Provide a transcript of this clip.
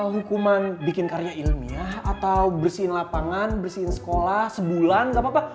hukuman bikin karya ilmiah atau bersihin lapangan bersihin sekolah sebulan gak apa apa